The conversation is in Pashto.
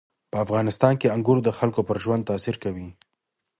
په افغانستان کې انګور د خلکو پر ژوند تاثیر کوي.